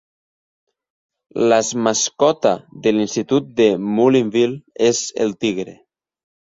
Las mascota de l'institut de Mullinville és el Tigre.